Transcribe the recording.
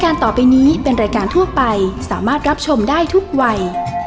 รายการต่อไปนี้เป็นรายการทั่วไปสามารถรับชมได้ทุกวัย